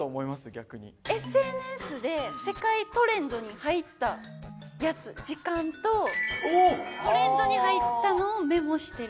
ＳＮＳで世界トレンドに入ったやつ時間とトレンドに入ったのをメモしてる？